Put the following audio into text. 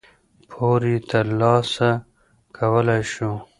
پور یې ترلاسه کولای شو.